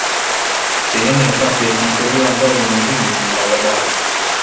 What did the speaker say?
Sehemu ya tatu ya kihistoria ambayo ni muhimu ni madhabahu